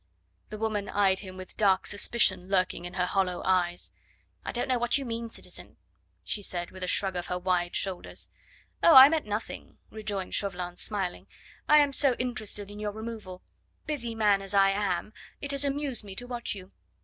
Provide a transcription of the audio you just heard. The woman eyed him with dark suspicion lurking in her hollow eyes. "I don't know what you mean, citizen," she said with a shrug of her wide shoulders. "Oh! I meant nothing," rejoined Chauvelin, smiling. "I am so interested in your removal; busy man as I am, it has amused me to watch you.